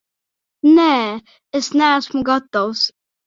Nē, es neesmu gatavs.